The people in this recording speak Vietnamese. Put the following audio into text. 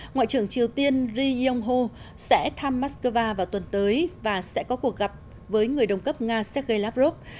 ngoại trưởng triều tiên ri yong ho sẽ thăm moscow vào tuần tới và sẽ có cuộc gặp với người đồng cấp nga sergei lavrov